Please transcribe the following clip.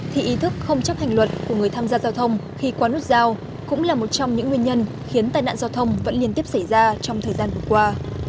thì ý thức không chấp hành luật của người tham gia giao thông khi qua nút giao cũng là một trong những nguyên nhân khiến tai nạn giao thông vẫn liên tiếp xảy ra trong thời gian vừa qua